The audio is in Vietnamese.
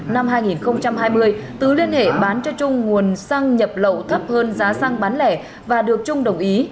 năm hai nghìn hai mươi tứ liên hệ bán cho trung nguồn xăng nhập lậu thấp hơn giá xăng bán lẻ và được trung đồng ý